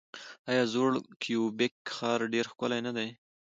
آیا زوړ کیوبیک ښار ډیر ښکلی نه دی؟